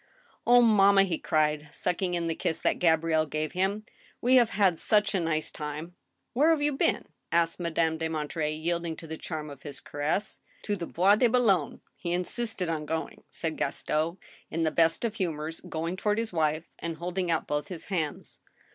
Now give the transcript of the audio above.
" O mamma," he cried, sucking in the kiss that Gabrielle gave him, " we have had such a nice time !"" Where have you been ?" asked Madame de Monterey, yielding to the charm of his caress. " To the Bois de Boulogne ; he insisted on going," said Gaston, in the best of humors, going toward his wife, and holding out both his hands.